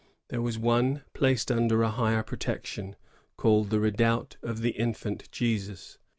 There was one placed under a higher protection, and called the ^^ Redoubt of the Infant Jesus."